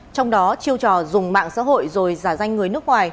trong đó chiêu trò dùng mạng xã hội rồi giả danh người nước ngoài